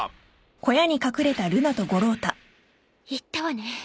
行ったわね。